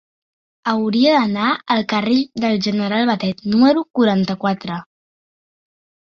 Hauria d'anar al carrer del General Batet número quaranta-quatre.